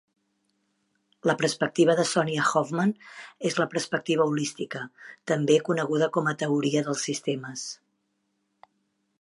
La perspectiva de Sonia Hoffman és la perspectiva holística, també coneguda com a teoria de sistemes.